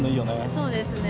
そうですね。